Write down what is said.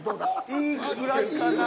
いいぐらいかな？